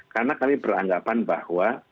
karena kami beranggapan bahwa